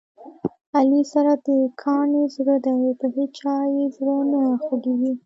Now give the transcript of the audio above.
علي سره د کاڼي زړه دی، په هیچا یې زړه نه خوګېږي.